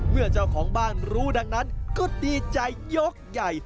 เจ้าของบ้านรู้ดังนั้นก็ดีใจยกใหญ่